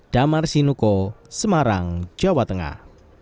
damar sinuko semarang jawa tengah